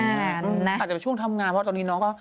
อาจจะเป็นช่วงทำงานเพราะตอนนี้น้องก็